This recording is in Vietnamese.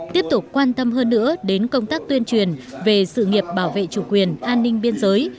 tiếp tục quan tâm hơn nữa đến công tác tuyên truyền về sự nghiệp bảo vệ chủ quyền an ninh biên giới